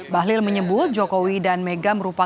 bahlil menyebut jokowi dan megawati